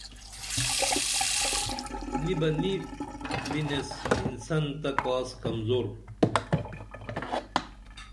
نی بہ نی بِنیس انسن تہ کاس کمزور